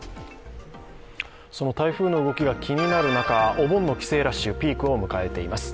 その台風の動きが気になる中、お盆の帰省ラッシュ、ピークを迎えています。